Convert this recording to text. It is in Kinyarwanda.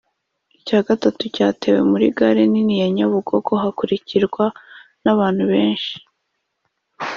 icya gatatu cyatewe muri gare nini ya Nyabugogo hahurirwa n’abantu benshi